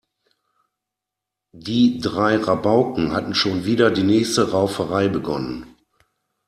Die drei Rabauken hatten schon wieder die nächste Rauferei begonnen.